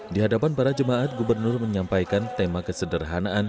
di hadapan para jemaat gubernur menyampaikan tema kesederhanaan